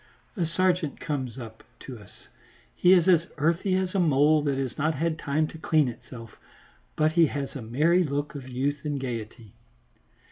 A sergeant comes up to us; he is as earthy as a mole that has not had time to clean itself, but he has a merry look of youth and gaiety.